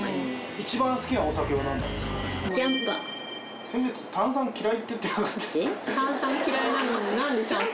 一番好きなお酒はなんですか？